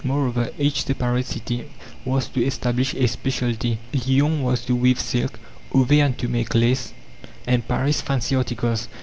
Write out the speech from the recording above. Moreover, each separate city was to establish a specialty. Lyons was to weave silk, Auvergne to make lace, and Paris fancy articles.